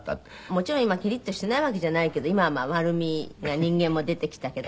もちろん今キリッとしていないわけじゃないけど今はまあ丸みな人間も出てきたけど。